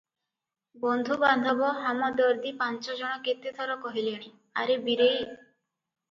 ବନ୍ଧୁ ବାନ୍ଧବ ହାମଦରଦୀ ପାଞ୍ଚ ଜଣ କେତେ ଥର କହିଲେଣି, "ଆରେ ବୀରେଇ!